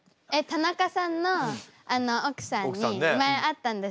田中さんの奥さんに前会ったんです。